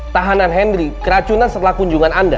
tahanan henry keracunan setelah kunjungan anda